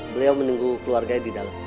beliau menunggu keluarganya di dalam